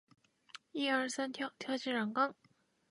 一二三跳！跳进染缸！